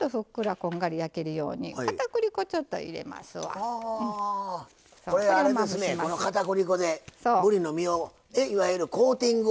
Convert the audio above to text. このかたくり粉でぶりの身をいわゆるコーティングを。